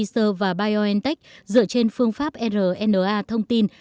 vaccine thế hệ mới của pfizer và biontech dựa trên phương pháp rna thông tin